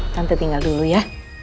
tante tinggal dulu ya